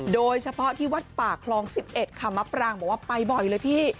โดยเฉพาะที่วัดป่าคลอง๑๑ค่ะมะปรางบอกว่าไปบ่อยเลยพี่